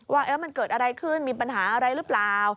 ว่ามันเกิดอะไรขึ้นมีปัญหาอะไรหรือเปล่า